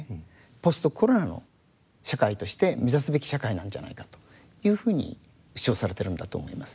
ポストコロナの社会として目指すべき社会なんじゃないかというふうに主張されてるんだと思います。